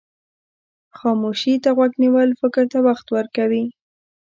خاموشي ته غوږ نیول فکر ته وخت ورکوي.